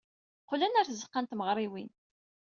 Qqlen ɣer tzeɣɣa n tmeɣriwin.